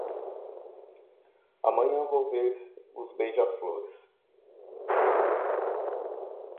Amanhã vou ver os beija-flores.